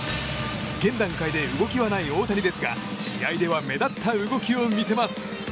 現段階で動きはない大谷ですが試合では目立った動きを見せます。